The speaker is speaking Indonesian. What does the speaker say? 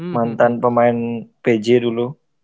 mantan pemain pj dulu